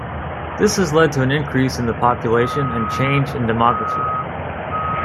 This has led to an increase in the population and change in demography.